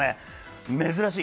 珍しい。